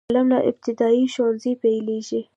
قلم له ابتدايي ښوونځي پیلیږي.